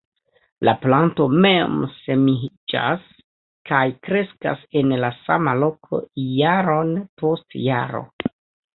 La planto mem-semiĝas, kaj kreskas en la sama loko jaron post jaro.